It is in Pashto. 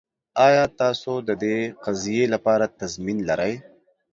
ایا تاسو د دې قضیې لپاره تضمین لرئ؟